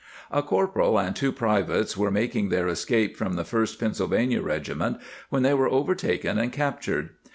^ A corporal and two privates were making their escape from the First Pennsylvania Regiment when they were overtaken and captured.